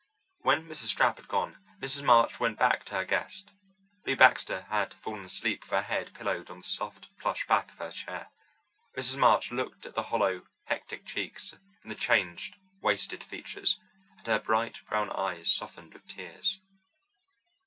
When Mrs. Stapp had gone, Mrs. March went back to her guest. Lou Baxter had fallen asleep with her head pillowed on the soft plush back of her chair. Mrs. March looked at the hollow, hectic cheeks and the changed, wasted features, and her bright brown eyes softened with tears.